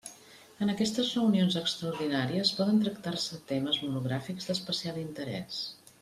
En aquestes reunions extraordinàries poden tractar-se temes monogràfics d'especial interès.